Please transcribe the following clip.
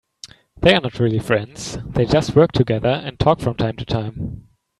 They are not really friends, they just work together and talk from time to time.